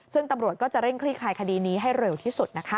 ซึ่งตำรวจก็จะเร่งคลี่คลายคดีนี้ให้เร็วที่สุดนะคะ